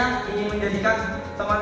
assalamualaikum warahmatullahi wabarakatuh